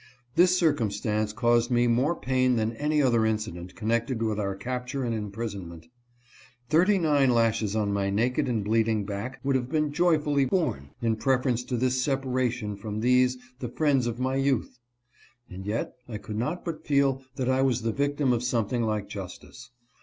This circumstance caused me more pain than any other incident connected with our capture and imprisonment. Thirty nine lashes on my naked and bleeding back would have been joyfully borne, in prefer ence to this separation from these, the friends of my youth. And yet I could not but feel that I was the vic tim of something like justice.